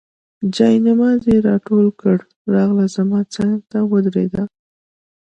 جاینماز یې راټول کړ، راغله زما څنګ ته ودرېده.